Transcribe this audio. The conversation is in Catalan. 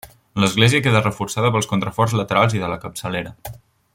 L'església queda reforçada pels contraforts laterals i de la capçalera.